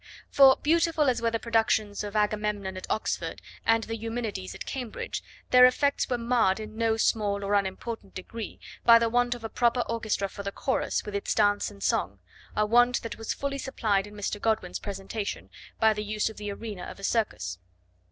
For, beautiful as were the productions of the Agamemnon at Oxford and the Eumenides at Cambridge, their effects were marred in no small or unimportant degree by the want of a proper orchestra for the chorus with its dance and song, a want that was fully supplied in Mr. Godwin's presentation by the use of the arena of a circus.